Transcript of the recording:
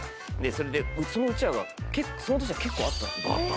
それでそのうちわがその年は結構あったんです。